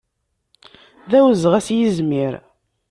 D awezɣi ad s-yizmir.